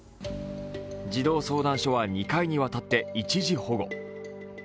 児童相談所は２回にわたって一時保護。